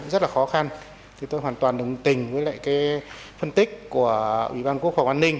rất là khó khăn thì tôi hoàn toàn đồng tình với lại cái phân tích của ủy ban quốc phòng an ninh